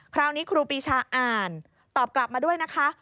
ครูปีชาอ่านตอบกลับมาด้วยนะคะ